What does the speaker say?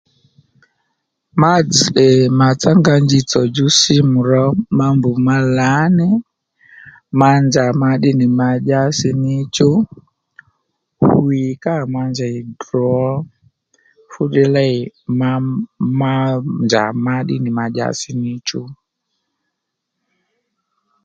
Ma dzz̀ tdè màtsángá njitsò djú símù ro ma mb ma lǎní ma njà ma tde nì ma dyási níchú hwǐ kǎ ma njèy drǒ fúddiy lêy ma njà ma ddí nì ma dyási níchú